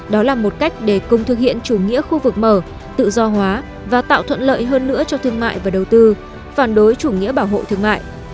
đó là một cách để cùng thực hiện chủ nghĩa khu vực mở tự do hóa và tạo thuận lợi hơn nữa cho thương mại và đầu tư phản đối chủ nghĩa bảo hộ thương mại